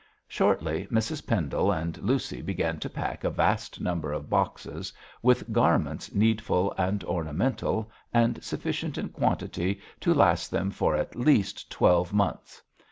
Shortly, Mrs Pendle and Lucy began to pack a vast number of boxes with garments needful and ornamental, and sufficient in quantity to last them for at least twelve months.